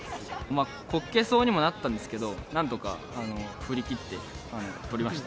こけそうにもなったんですけど、なんとか振り切って取りました。